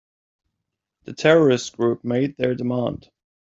The terrorist group made their demand.